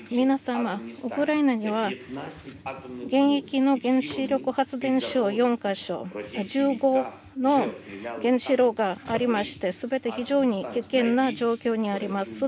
皆様、ウクライナには現役の原子力発電所４カ所、１５の原子炉がありまして、全て非常に危険な状況にあります。